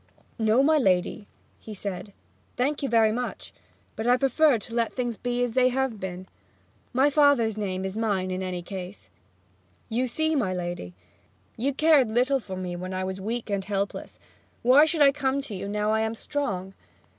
'No, my lady,' he said. 'Thank you much, but I prefer to let things be as they have been. My father's name is mine in any case. You see, my lady, you cared little for me when I was weak and helpless; why should I come to you now I am strong?